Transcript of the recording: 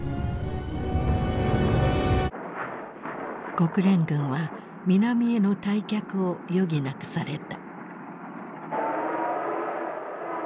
国連軍は南への退却を余儀なくされた。